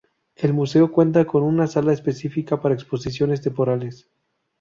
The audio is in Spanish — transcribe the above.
El museo cuenta con una sala específica para exposiciones temporales.